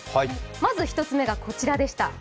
まず１つ目がこちらでした。